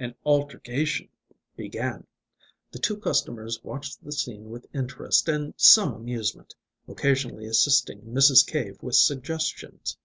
An altercation began. The two customers watched the scene with interest and some amusement, occasionally assisting Mrs. Cave with suggestions.